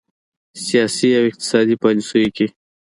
سیاسي او اقتصادي پالیسیو کې